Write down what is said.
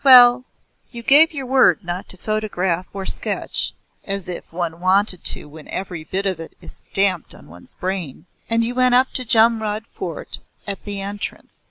"Well, you gave your word not to photograph or sketch as if one wanted to when every bit of it is stamped on one's brain! And you went up to Jumrood Fort at the entrance.